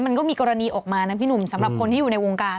มันก็มีกรณีออกมานะพี่หนุ่มสำหรับคนที่อยู่ในวงการ